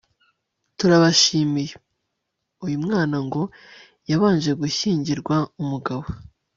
turabashimiye.uyu mwana ngo yabanje gushyingirwa umugabo